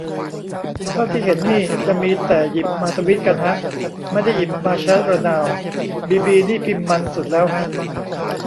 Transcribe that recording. เท่าที่เห็นนี่จะมีแต่หยิบมาทวีตกันฮะ ไม่ได้หยิบมาแชตระนาว บีบีนี่พิมพ์มันส์สุดแล้วฮะ